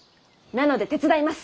なので手伝います